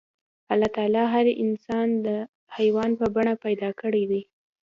الله تعالی انسان د حيوان په بڼه پيدا کړی دی.